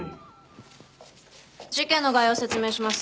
事件の概要を説明します。